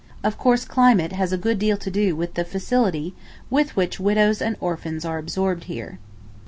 Of course climate has a good deal to do with the facility with which widows and orphans are absorbed here.